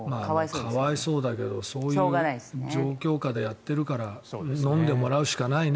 可哀想だけどそういう状況下でやってるからのんでもらうしかないね。